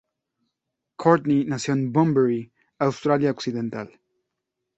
Courtney nació en Bunbury, Australia Occidental.